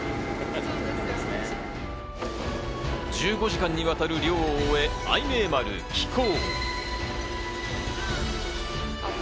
１５時間にわたる漁を終えた愛明丸、寄港。